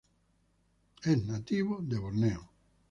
Es nativo de Borneo.